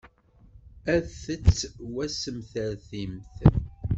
Ad tettwassemsertimt.